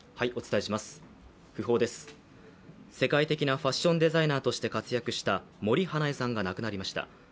世界的なファッションデザイナーとして活躍した森英恵さんが亡くなりました。